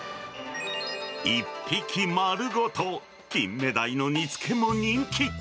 １匹丸ごと、キンメダイの煮付けも人気。